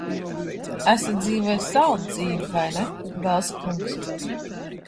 Esat dzīvojis saldu dzīvi, vai ne, Velsa kungs?